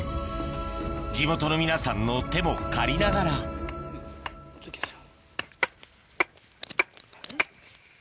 地元の皆さんの手も借りながら行きます。